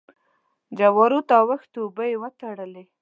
جوارو ته اوښتې اوبه يې وتړلې.